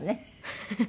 フフフ！